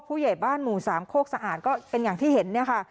ผู้ใหญ่บ้านหมู่สามโคกสะอาดก็เป็นอย่างที่เห็นเนี่ยค่ะ